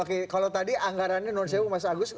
oke kalau tadi anggarannya non sewu mas agus